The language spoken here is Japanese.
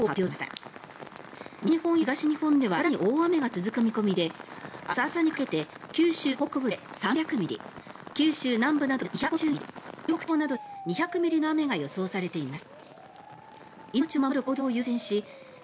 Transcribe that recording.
西日本や東日本では更に大雨が続く見込みで明日朝にかけて九州北部で３００ミリ九州南部などで２５０ミリ中国地方などで２００ミリの雨が予想されています。